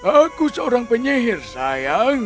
aku seorang penyihir sayang